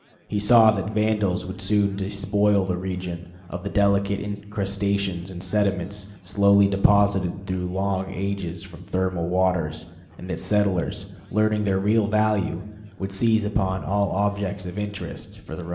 He saw that vandals would soon despoil the region of the delicate incrustations and sediments slowly deposited through long ages from thermal waters, and that settlers, learning their real value, would seize upon all objects of interest for their own gain.